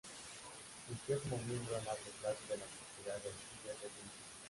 Fungió como miembro a largo plazo de la Sociedad de Orquídeas de Filipinas.